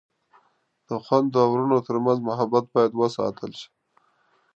د خویندو او ورونو ترمنځ محبت باید وساتل شي.